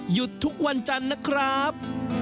หยุดทุกวันจันทร์นะครับ